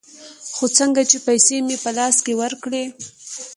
خو څنگه چې پيسې مې په لاس کښې ورکړې.